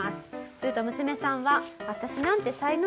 すると娘さんは。